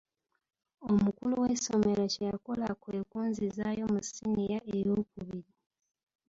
Omukulu w'essomero kye yakola kwe kunzizaayo mu siniya eyookubiri.